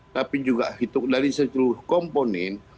tapi juga itu dari sejujurnya komponen